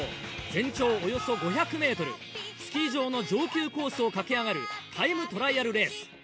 全長およそ５００メートル、スキー場の上級コースを駆け上がるタイムトライアルレース。